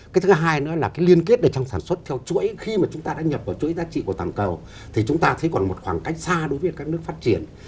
cái thứ hai nữa là cái liên kết này trong sản xuất theo chuỗi khi mà chúng ta đã nhập vào chuỗi giá trị của tảng cầu thì chúng ta thấy còn một khoảng cách xa đối với các nước phát triển